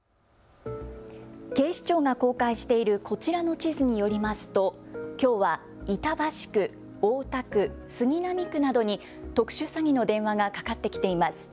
警視庁が公開しているこちらの地図によりますときょうは板橋区、大田区、杉並区などに特殊詐欺の電話がかかってきています。